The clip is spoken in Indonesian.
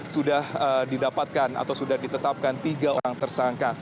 sudah didapatkan atau sudah ditetapkan tiga orang tersangka